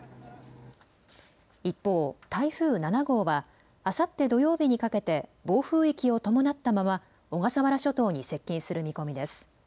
一方、台風７号はあさって土曜日にかけて暴風域を伴ったまま小笠原諸島に接近する見込みです。